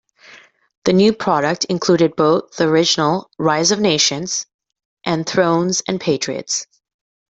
The new product included both the original "Rise of Nations" and "Thrones and Patriots".